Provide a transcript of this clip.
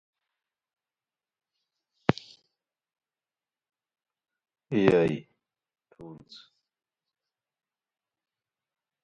After the match, the Steiner Brothers came out and attacked both Sting and Goldberg.